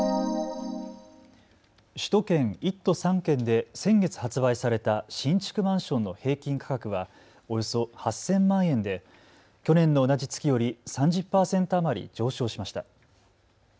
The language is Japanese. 首都圏１都３県で先月発売された新築マンションの平均価格はおよそ８０００万円で去年の同じ月より３０％余り上昇しました。